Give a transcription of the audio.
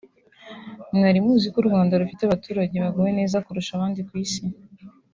Mwari muzi ko u Rwanda rufite abaturage baguwe neza kurusha abandi ku isi